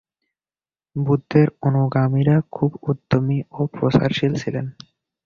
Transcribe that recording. বুদ্ধের অনুগামীরা খুব উদ্যমী ও প্রচারশীল ছিলেন।